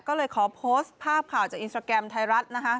ก็เลยขอโพสต์ภาพข่าวจากอินสตราแกรมไทยรัฐนะคะ